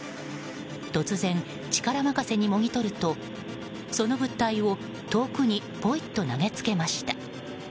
突然、力任せにもぎ取るとその物体を遠くにぽいっと投げつけました。